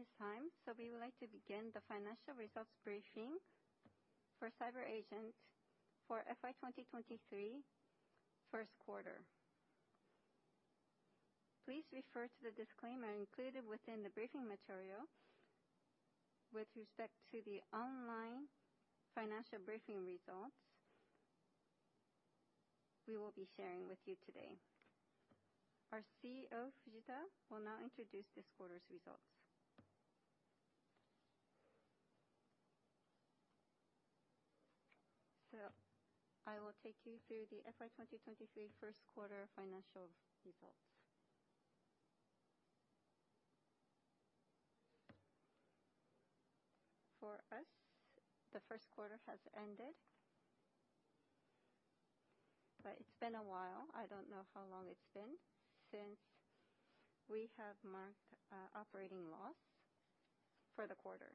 It is time. We would like to begin the financial results briefing for CyberAgent for FY2023 Q1. Please refer to the disclaimer included within the briefing material with respect to the online financial briefing results we will be sharing with you today. Our CEO, Fujita, will now introduce this quarter's results. I will take you through the FY2023 Q1 financial results. For us, Q1 has ended. It's been a while, I don't know how long it's been since we have marked operating loss for the quarter.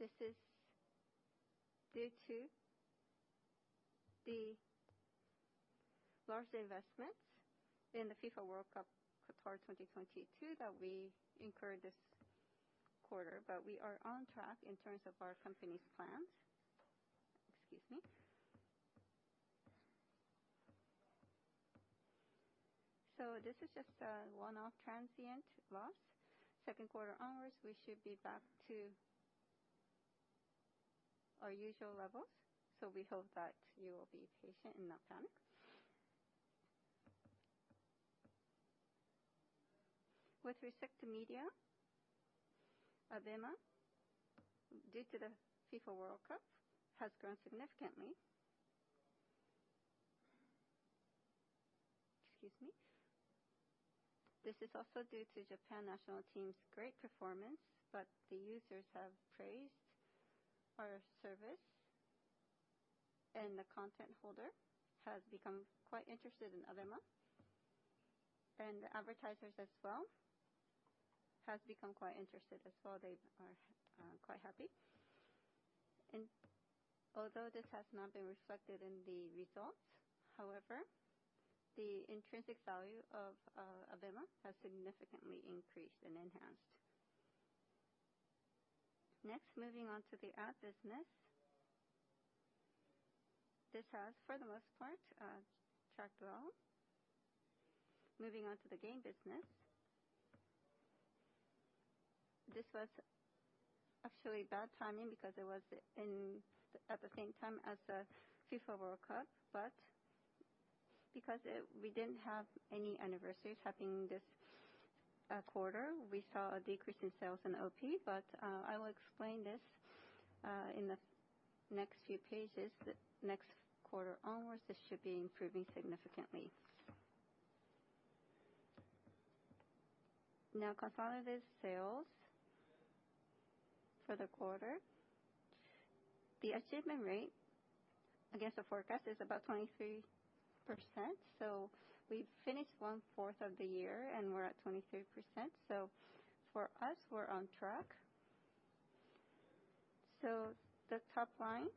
This is due to the large investments in the FIFA World Cup, Qatar 2022 that we incurred this quarter. We are on track in terms of our company's plans. Excuse me. This is just a one-off transient loss. Second quarter onwards, we should be back to our usual levels, so we hope that you will be patient and not panic. With respect to media, ABEMA, due to the FIFA World Cup, has grown significantly. Excuse me. This is also due to Japan national team's great performance, but the users have praised our service, and the content holder has become quite interested in ABEMA, and the advertisers as well has become quite interested as well. They are quite happy. Although this has not been reflected in the results, however, the intrinsic value of ABEMA has significantly increased and enhanced. Next, moving on to the ad business. This has, for the most part, tracked well. Moving on to the game business. This was actually bad timing because it was at the same time as the FIFA World Cup. Because we didn't have any anniversaries happening this quarter, we saw a decrease in sales in OP. I will explain this in the next few pages. The next quarter onwards, this should be improving significantly. Consolidated sales for the quarter. The achievement rate against the forecast is about 23%. We've finished one-fourth of the year, and we're at 23%. For us, we're on track. The top line.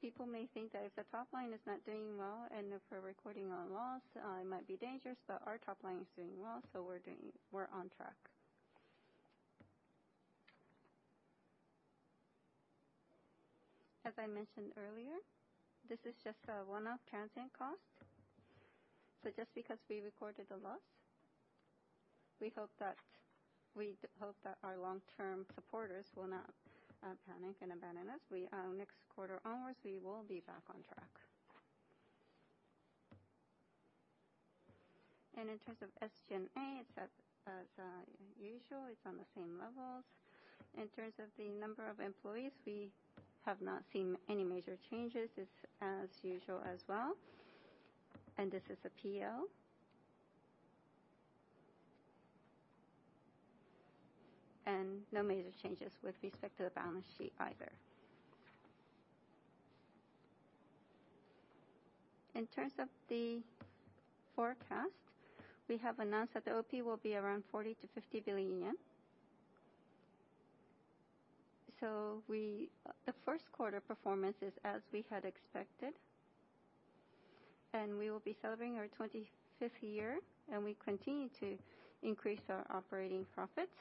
People may think that if the top line is not doing well and if we're recording a loss, it might be dangerous, our top line is doing well, we're on track. As I mentioned earlier, this is just a one-off transient cost. Just because we recorded a loss, we hope that our long-term supporters will not panic and abandon us. We, next quarter onwards, we will be back on track. In terms of SG&A, it's at, as usual, it's on the same levels. In terms of the number of employees, we have not seen any major changes. It's as usual as well. This is the PL. No major changes with respect to the balance sheet either. In terms of the forecast, we have announced that the OP will be around 40 billion JPY-50 billion JPY. The 1st quarter performance is as we had expected, and we will be celebrating our 25th year, and we continue to increase our operating profits.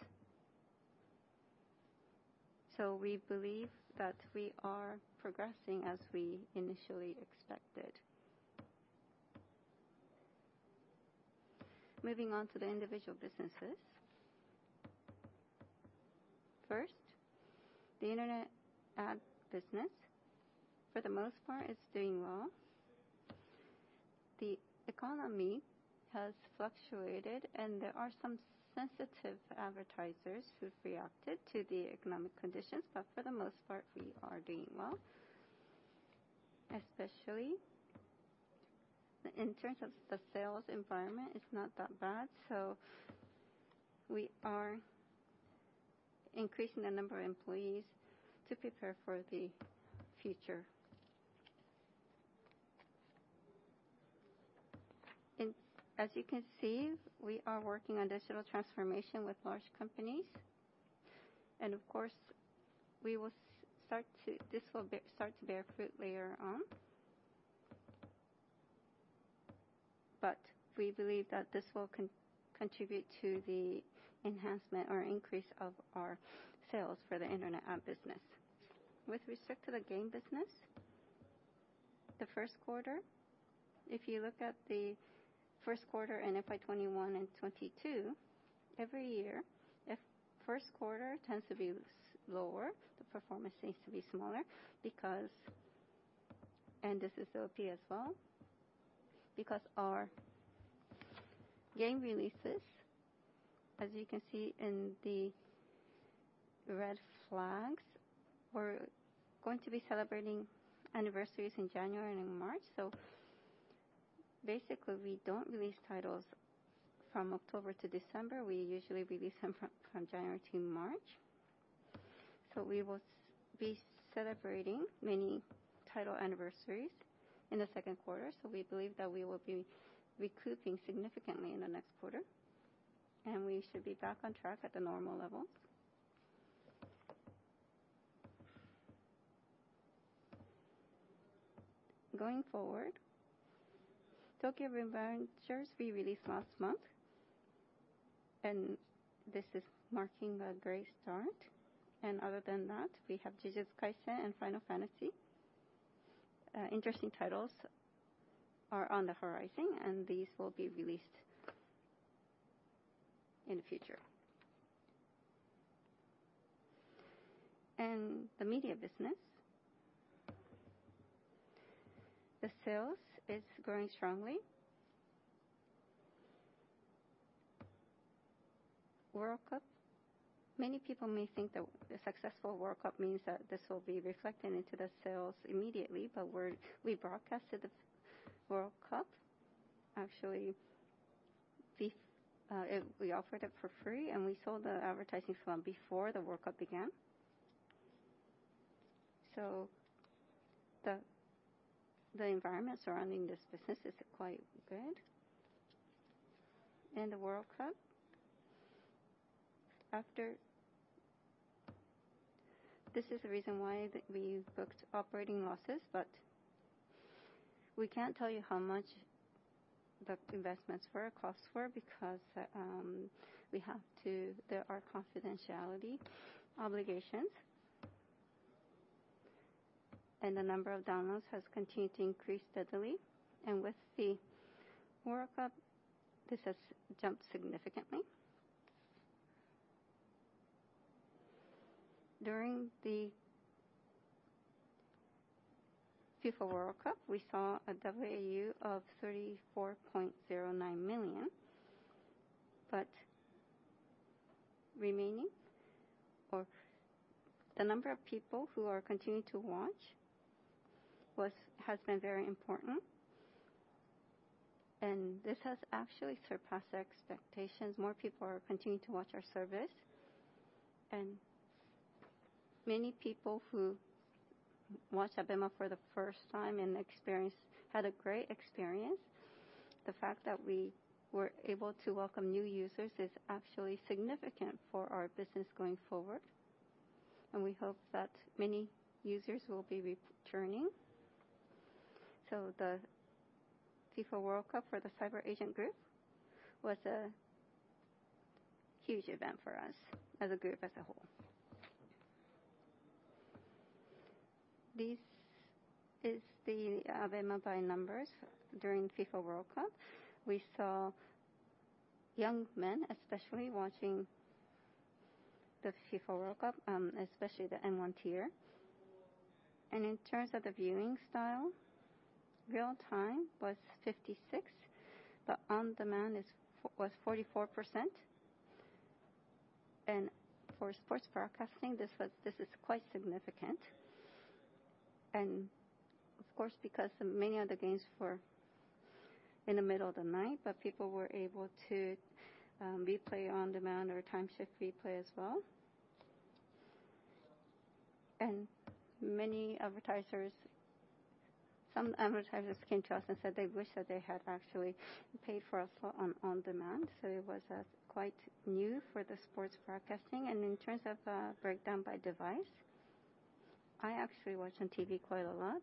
We believe that we are progressing as we initially expected. Moving on to the individual businesses. First, the internet ad business, for the most part, is doing well. The economy has fluctuated. There are some sensitive advertisers who've reacted to the economic conditions. For the most part, we are doing well, especially in terms of the sales environment, it's not that bad. We are increasing the number of employees to prepare for the future. As you can see, we are working on digital transformation with large companies. Of course, we will start to bear fruit later on. We believe that this will contribute to the enhancement or increase of our sales for the internet ad business. With respect to the game business, Q1, if you look at Q1 and FY2021 and 2022, every year, if Q1 tends to be lower, the performance seems to be smaller because, and this is OP as well, because our game releases, as you can see in the red flags, we're going to be celebrating anniversaries in January and in March. Basically, we don't release titles from October to December. We usually release them from January to March. We will be celebrating many title anniversaries in the second quarter. We believe that we will be recouping significantly in the next quarter, and we should be back on track at the normal levels. Going forward, Tokyo Revengers we released last month, and this is marking a great start. Other than that, we have Jujutsu Kaisen and Final Fantasy. Interesting titles are on the horizon, and these will be released in the future. The media business. The sales is growing strongly. World Cup, many people may think that a successful World Cup means that this will be reflected into the sales immediately, but we're, we broadcasted the World Cup. Actually, we offered it for free, and we sold the advertising from before the World Cup began. The environment surrounding this business is quite good. The World Cup, after this is the reason why we booked operating losses, but we can't tell you how much the investments for our costs were, because there are confidentiality obligations. The number of downloads has continued to increase steadily. With the World Cup, this has jumped significantly. During the FIFA World Cup, we saw a WAU of 34.09 million. Remaining or the number of people who are continuing to watch has been very important. This has actually surpassed expectations. More people are continuing to watch our service. Many people who watched ABEMA for the first time had a great experience. The fact that we were able to welcome new users is actually significant for our business going forward, and we hope that many users will be returning. The FIFA World Cup for the CyberAgent Group was a huge event for us as a group as a whole. This is the ABEMA by numbers during FIFA World Cup. We saw young men, especially watching the FIFA World Cup, especially the N-1 tier. In terms of the viewing style, real-time was 56, but on-demand was 44%. For sports broadcasting, this was, this is quite significant. Of course, because many of the games were in the middle of the night, but people were able to replay on-demand or Timeshift replay as well. Many advertisers, some advertisers came to us and said they wish that they had actually paid for a slot on on-demand, so it was quite new for the sports broadcasting. In terms of breakdown by device, I actually watched on TV quite a lot.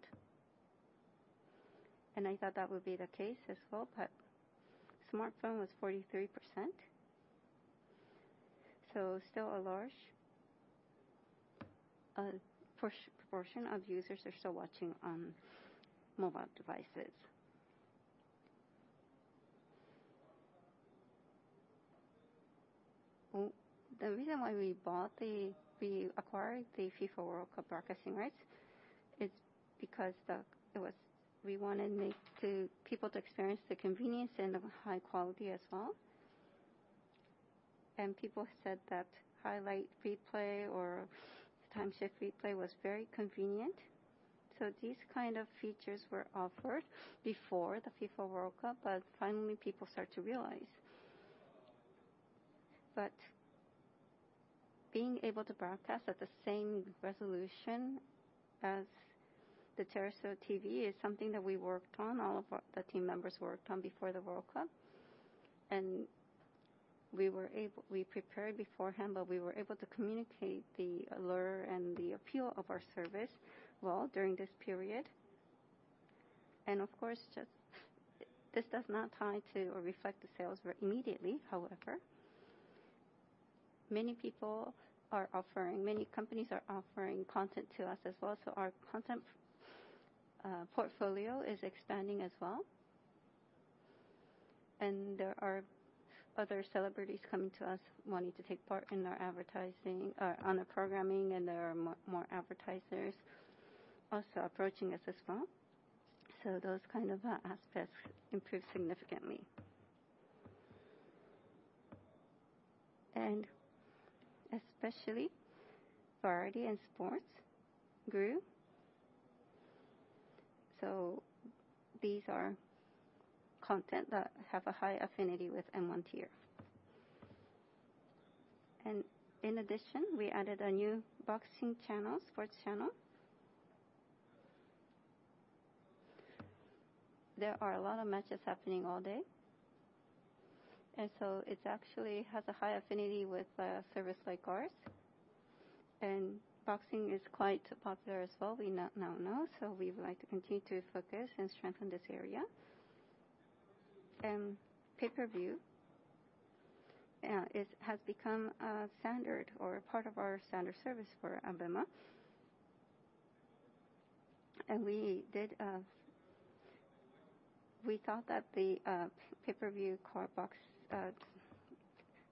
I thought that would be the case as well, but smartphone was 43%. Still a large proportion of users are still watching on mobile devices. The reason why we acquired the FIFA World Cup broadcasting rights is because we wanted make to, people to experience the convenience and the high quality as well. People said that highlight replay or Timeshift replay was very convenient. These kind of features were offered before the FIFA World Cup, but finally, people start to realize. Being able to broadcast at the same resolution as the terrestrial TV is something that we worked on, the team members worked on before the World Cup. We prepared beforehand, but we were able to communicate the allure and the appeal of our service well during this period. Of course, just, this does not tie to or reflect the sales immediately, however. Many companies are offering content to us as well. Our content portfolio is expanding as well. There are other celebrities coming to us wanting to take part in our advertising or on our programming, and there are more advertisers also approaching us as well. Those kind of aspects improved significantly. Especially variety and sports grew. These are content that have a high affinity with M.M. tier. In addition, we added a new boxing channel, sports channel. There are a lot of matches happening all day. It actually has a high affinity with a service like ours. Boxing is quite popular as well, we now know, so we would like to continue to focus and strengthen this area. Pay-per-view has become a standard or a part of our standard service for ABEMA. We did. We thought that the pay-per-view card box,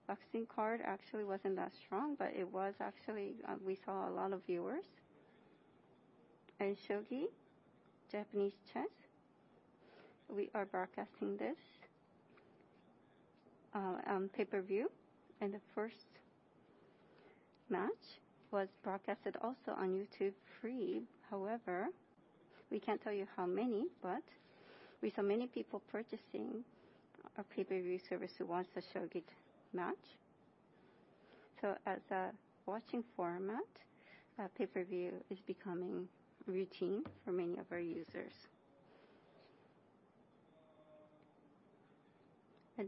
boxing card actually wasn't that strong, but it was actually, we saw a lot of viewers. Shogi, Japanese chess, we are broadcasting this pay-per-view, and the first match was broadcasted also on YouTube free. However, we can't tell you how many, but we saw many people purchasing our pay-per-view service who wants the Shogi match. As a watching format, pay-per-view is becoming routine for many of our users.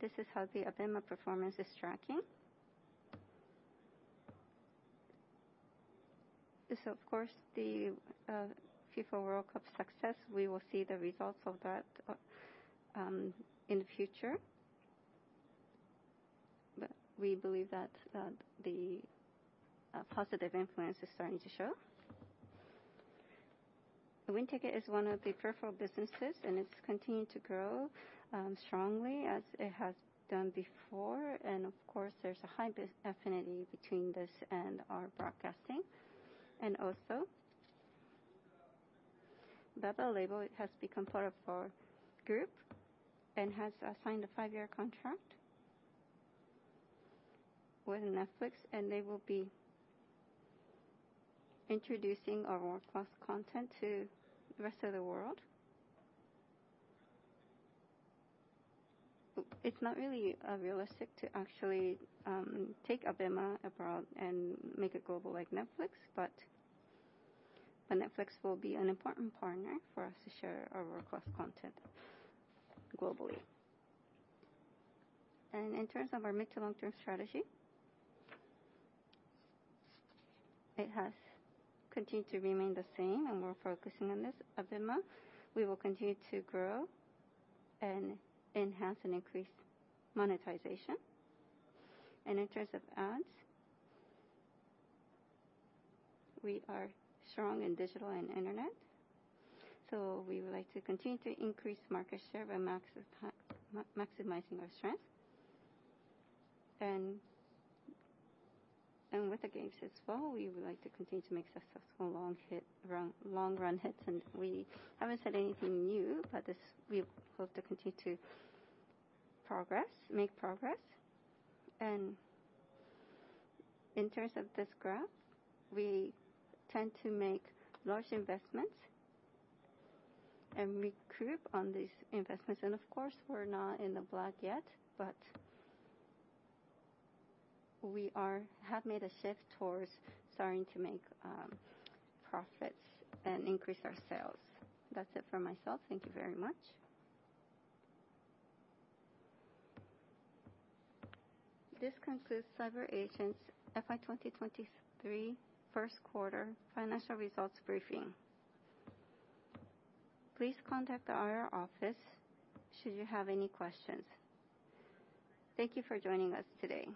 This is how the ABEMA performance is tracking. This, of course, the FIFA World Cup success, we will see the results of that in the future. We believe that the positive influence is starting to show. The WINTICKET is one of the peripheral businesses, and it's continued to grow strongly as it has done before. Of course, there's a high affinity between this and our broadcasting. Also, BABEL LABEL has become part of our group and has signed a five-year contract with Netflix, and they will be introducing our world-class content to the rest of the world. It's not really realistic to actually take ABEMA abroad and make it global like Netflix. Netflix will be an important partner for us to share our world-class content globally. In terms of our mid to long-term strategy, it has continued to remain the same, and we're focusing on this. ABEMA, we will continue to grow and enhance and increase monetization. In terms of ads, we are strong in digital and internet, so we would like to continue to increase market share by maximizing our strength. With the games as well, we would like to continue to make successful long run hits. We haven't said anything new, but this, we hope to continue to progress, make progress. In terms of this graph, we tend to make large investments and recoup on these investments. Of course, we're not in the black yet, but we have made a shift towards starting to make profits and increase our sales. That's it for myself. Thank you very much. This concludes CyberAgent's FY2023 Q1 financial results briefing. Please contact the IR office should you have any questions. Thank you for joining us today.